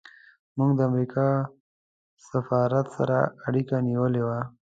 موږ د امریکا سفارت سره اړیکه نیولې وه.